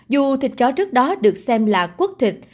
dù thịt chó trước đó được xem là quốc thịt